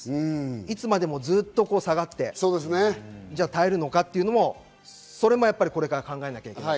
いつまでもずっと下がって、耐えるのかというのもそれもこれから考えなきゃいけない。